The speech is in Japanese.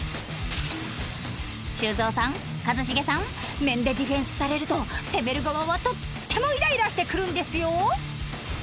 修造さん一茂さん面でディフェンスされると攻める側はとってもイライラしてくるんですよ！